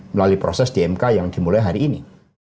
melalui proses dmk yang dimulai hari ini